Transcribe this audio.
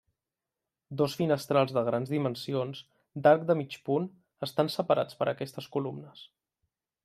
Dos finestrals de grans dimensions, d'arc de mig punt, estan separats per aquestes columnes.